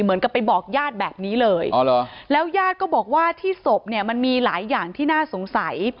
เหมือนกับไปบอกญาติแบบนี้เลยแล้วญาติก็บอกว่าที่ศพเนี่ยมันมีหลายอย่างที่น่าสงสัย